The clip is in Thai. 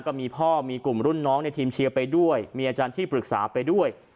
ก็มีพ่อมีกลุ่มรุ่นน้องในทีมเชียร์ไปด้วยมีอาจารย์ที่ปรึกษาไปด้วย